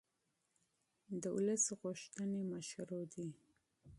د ولس غوښتنې مشروع دي